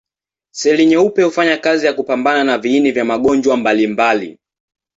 Seli nyeupe hufanya kazi ya kupambana na viini vya magonjwa mbalimbali.